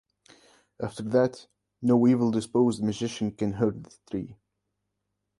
After that, no evil-disposed magician can hurt the tree.